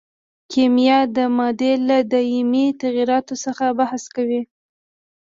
کیمیا د مادې له دایمي تغیراتو څخه بحث کوي.